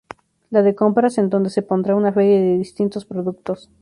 La de compras, en donde se pondrá una feria de distintos productos.